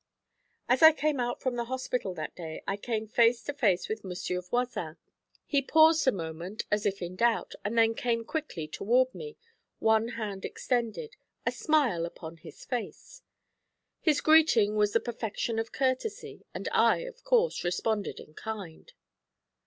As I came out from the hospital that day I came face to face with Monsieur Voisin. He paused a moment, as if in doubt, and then came quickly toward me, one hand extended, a smile upon his face. His greeting was the perfection of courtesy, and I, of course, responded in kind.